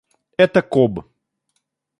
Это коб.